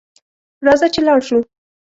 راځه چې لاړشوو